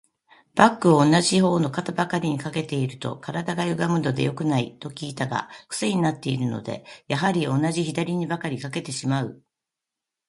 バッグを同じ方の肩ばかりに掛けていると、体がゆがむので良くない、と聞くのだが、クセになっているので、やはり同じ左にばかり掛けてしまう。